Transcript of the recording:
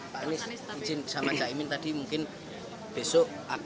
pak anies izin sama cak imin tadi mungkin besok